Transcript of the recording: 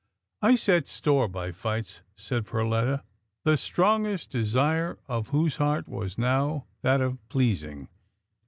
" I set store by fights," said Perletta, the strongest desire of whose heart was now that of pleasing.